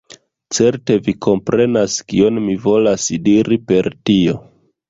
Certe vi komprenas kion mi volas diri per tio.